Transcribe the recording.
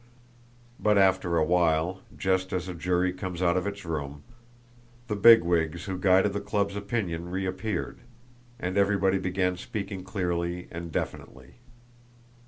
But after a while, just as a jury comes out of its room, the bigwigs who guided the club's opinion reappeared, and everybody began speaking clearly and definitely.